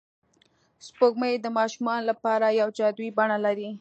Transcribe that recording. سپوږمۍ د ماشومانو لپاره یوه جادويي بڼه لري